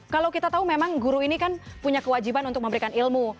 kalau kita tahu memang guru ini kan punya kewajiban untuk memberikan ilmu